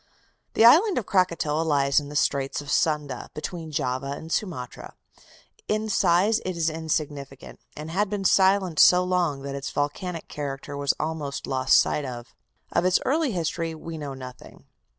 The island of Krakatoa lies in the Straits of Sunda, between Java and Sumatra. In size it is insignificant, and had been silent so long that its volcanic character was almost lost sight of. Of its early history we know nothing.